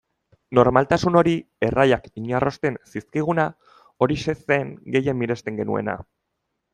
Normaltasun hori, erraiak inarrosten zizkiguna, horixe zen gehien miresten genuena.